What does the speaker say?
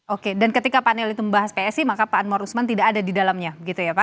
oke dan ketika panel itu membahas psi maka pak anwar usman tidak ada di dalamnya begitu ya pak